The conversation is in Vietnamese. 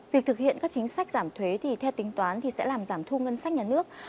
việc thực hiện các chính sách giảm thuế thì theo tính toán thì sẽ làm giảm thu ngân sách nhà nước